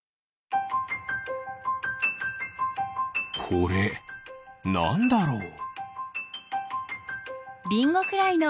これなんだろう？